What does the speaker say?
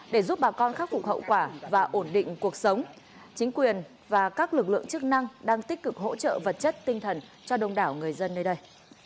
để giúp bà con khắc phục hậu quả và ổn định cuộc sống chính quyền và các lực lượng chức năng đang tích cực hỗ trợ vật chất tinh thần cho đông đảo người dân nơi đây